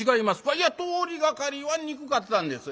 「いや通りがかりはにくかったんです。